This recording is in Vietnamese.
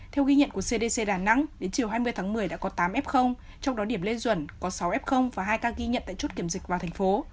theo ghi nhận của cdc đà nẵng đến chiều hai mươi tháng một mươi đã có tám f trong đó điểm lê duẩn có sáu f và hai ca ghi nhận tại chốt kiểm dịch vào thành phố